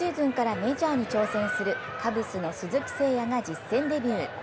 今シーズンからメジャーに挑戦するカブスの鈴木誠也が実戦デビュー。